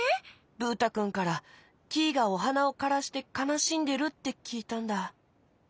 ブー太くんからキイがおはなをからしてかなしんでるってきいたんだ。